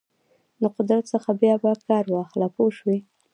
د قدرت څخه بیا بیا کار واخله پوه شوې!.